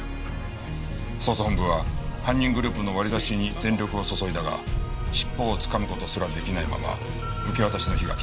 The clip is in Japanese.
捜査本部は犯人グループの割り出しに全力を注いだが尻尾をつかむ事すら出来ないまま受け渡しの日が来た。